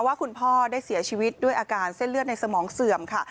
ว่าคุณพ่อได้เสียชีวิตด้วยอาการเส้นเลือดในสมองเสื่อมค่ะ